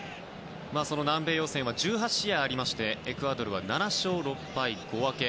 南米予選は１８試合ありましてエクアドルは７勝６敗５分け。